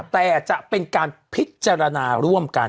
แต่จะเป็นการพิจารณาร่วมกัน